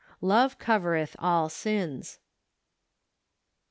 " Love covereth all sins."